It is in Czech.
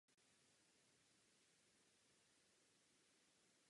Dorian pokračoval v pohybu na západ.